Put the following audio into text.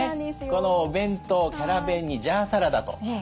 このお弁当キャラ弁にジャーサラダと。